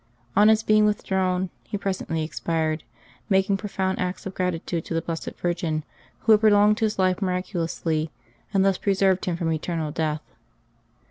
On its being withdrawn, he presently expired, making profound acts of gratitude to the Blessed Virgin, who had prolonged his life miraculously, and thus pre served him from eternal death.